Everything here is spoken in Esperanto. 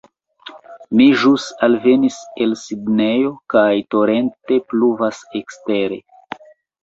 Mi ĵus alvenis en Sidnejo kaj torente pluvas ekstere